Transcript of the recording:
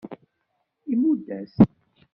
Imudd-as-t.